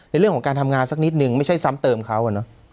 ในเรื่องของการทำงานสักนิดนึงไม่ใช่ซ้ำเติมเขา